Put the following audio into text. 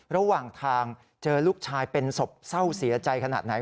ระหว่างทางเจอลูกชายเป็นศพเศร้าเสียใจขนาดไหน